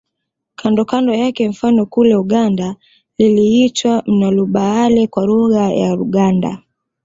Kando kando yake mfano kule Uganda liliitwa Nnalubaale kwa lugha ya Luganda